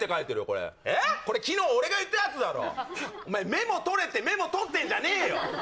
これこれ昨日俺が言ったやつだろお前メモ取れってメモ取ってんじゃねえよ